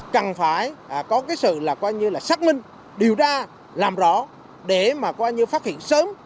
cần phải có sự xác minh điều ra làm rõ để phát hiện sớm